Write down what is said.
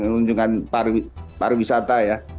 kunjungan pariwisata ya